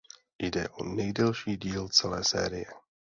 Jde o nejdelší díl celé série.